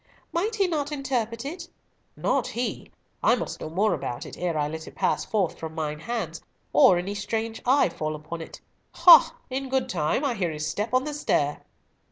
"Might he not interpret it?" "Not he! I must know more about it ere I let it pass forth from mine hands, or any strange eye fall upon it— Ha, in good time! I hear his step on the stair."